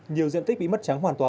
nhiều diện tích bị mất trắng hoàn toàn